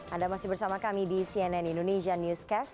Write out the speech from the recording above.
anda masih bersama kami di cnn indonesia newscast